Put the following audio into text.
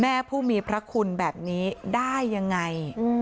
ผู้มีพระคุณแบบนี้ได้ยังไง